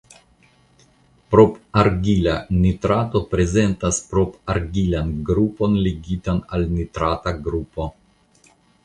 Propargila nitrato prezentas propargilan grupon ligitan al nitrata grupo.